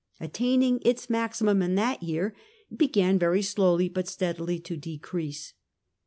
Attaining its maximum in that year, it began very slowly but steadily to decrease.